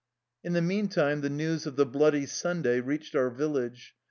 In the meantime the news of the " Bloody Sun day '' reached our village.